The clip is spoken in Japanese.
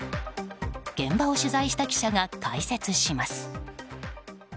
現場を取材した記者が解説します。